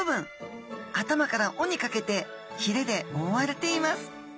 頭から尾にかけてひれで覆われています。